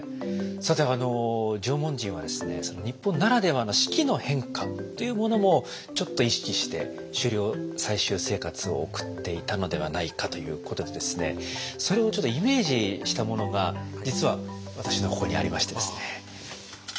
さて縄文人はですね日本ならではの四季の変化っていうものもちょっと意識して狩猟採集生活を送っていたのではないかということでそれをちょっとイメージしたものが実は私のここにありましてですね。